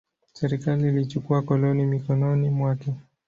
Serikali ilichukua koloni mikononi mwake.